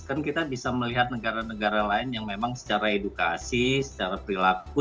kan kita bisa melihat negara negara lain yang memang secara edukasi secara perilaku